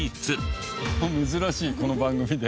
珍しいこの番組で。